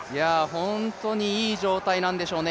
本当にいい状態なんでしょうね